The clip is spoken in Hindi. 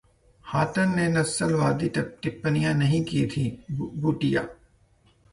हाटन ने नस्लवादी टिप्पणी नहीं की थी: भूटिया